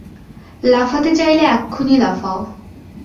লাফাতে চাইলে এক্ষুণি লাফাও।